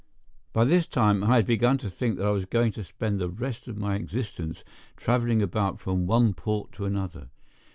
By this time I had begun to think that I was going to spend the rest of my existence traveling about from one port to another.